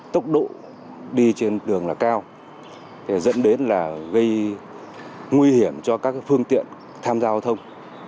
tốc độ đi trên đường là cao dẫn đến là gây nguy hiểm cho các phương tiện tham gia giao thông